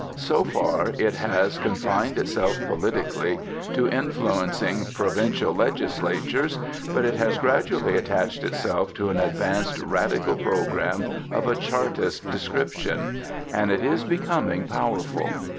So far it has confined itself politically to influencing provincial legislatures. But it has gradually attached itself to an advanced Radical programme of a Chartist description. And it is becoming powerful.